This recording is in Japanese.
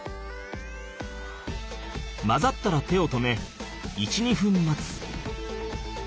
混ざったら手を止め１２分待つ。